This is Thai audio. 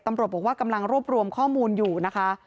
ตำรวจบอกว่ากำลังรวบรวมข้อมูลอยู่นะคะ